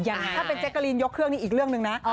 ถ้าเป็นแจ๊กกะลีนยกเครื่องนี้อีกเรื่องหนึ่งนะ